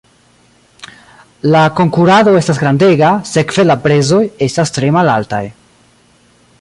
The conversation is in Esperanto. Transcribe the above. La konkurado estas grandega, sekve la prezoj estas tre malaltaj.